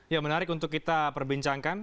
ya menarik untuk kita perbincangkan